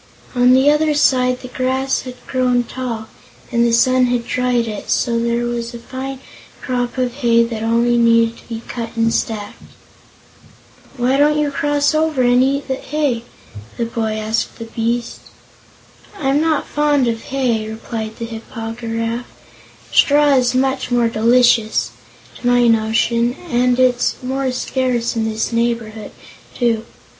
On the other side the grass had grown tall, and the sun had dried it, so there was a fine crop of hay that only needed to be cut and stacked. "Why don't you cross over and eat hay?" the boy asked the beast. "I'm not fond of hay," replied the Hip po gy raf; "straw is much more delicious, to my notion, and it's more scarce in this neighborhood, too.